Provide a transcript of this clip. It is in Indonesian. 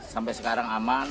sampai sekarang aman